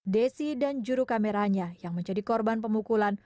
desi dan juru kameranya yang menjadi korban pemukulan